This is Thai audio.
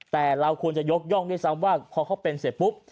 แต่เราควรจะยกย่องด้วยซ้ำว่าพอเขาเป็นเสร็จปุ๊บ